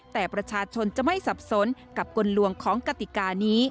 แต่ประชาชนจะไม่สับสนกับกลลวงของกติกานี้